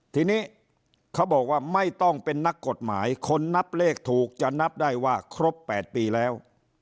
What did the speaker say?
ทีนี้เขาบอกว่าไม่ต้องเป็นนักกฎหมายคนนับเลขถูกจะนับได้ว่าครบ๘ปีแล้ว